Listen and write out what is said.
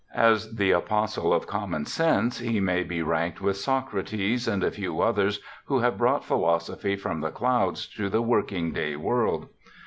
As the apostle of common sense he may be ranked with Socrates and a few others who have brought philosophy from the clouds to the working day world.